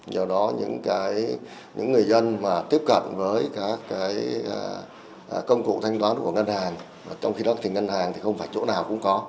do đó những người dân tiếp cận với các công cụ thanh toán của ngân hàng trong khi đó ngân hàng không phải chỗ nào cũng có